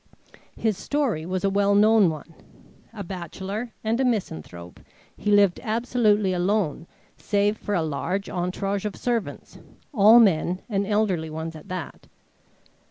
His story was a well known one. A bachelor and a misanthrope, he lived absolutely alone save for a large entourage of servants, all men and elderly ones at that.